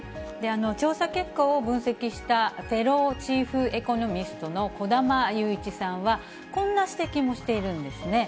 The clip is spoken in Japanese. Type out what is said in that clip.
調査結果を分析したフェローチーフエコノミストの小玉祐一さんは、こんな指摘もしているんですね。